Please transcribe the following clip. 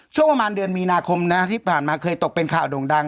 ช่วงประมาณเดือนมีนาคมนะที่ผ่านมาเคยตกเป็นข่าวโด่งดัง